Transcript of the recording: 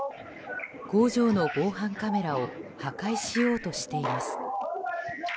工場の防犯カメラを破壊しようとしています。